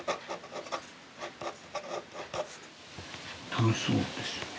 楽しそうですね。